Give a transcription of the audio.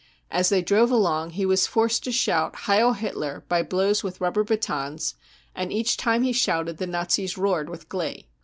As they drovfc along he was forced to shout c Heil Hitler 5 by blows with rubber batons, and each time he shouted the Nazis roared with glee.